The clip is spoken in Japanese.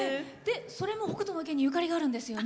それも「北斗の拳」にゆかりがあるんですよね。